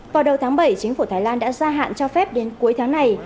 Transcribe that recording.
vào đầu tháng bảy chính phủ thái lan đã gia hạn cho phép đến cuối tháng này